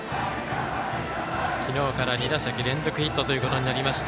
昨日から２打席連続ヒットということになりました。